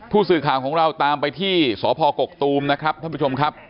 ผู้สื่อข่าวของเราตามไปที่สพกกตูมนะครับท่านผู้ชมครับ